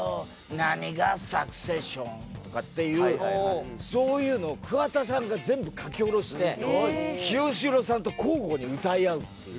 「何がサクセション」とかっていうそういうのを桑田さんが全部書き下ろして清志郎さんと交互に歌い合うっていう。